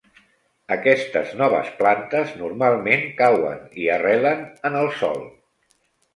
Aquestes noves plantes normalment cauen i arrelen en el sòl.